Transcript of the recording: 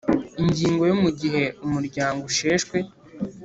Ingingo yo mu gihe umuryango usheshwe